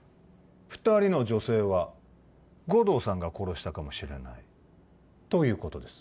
二人の女性は護道さんが殺したかもしれないということです